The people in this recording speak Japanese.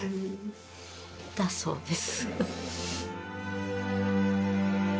だそうです